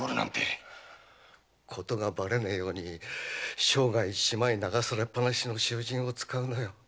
事がばれねえように生涯島に流されっぱなしの囚人を使うのよ。